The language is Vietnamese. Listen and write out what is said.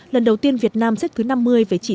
lần đầu tiên việt nam xếp thứ năm mươi về chỉ suy nghĩa